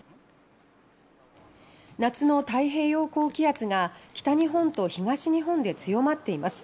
夏の太平洋高気圧が北日本と東日本で強まっています。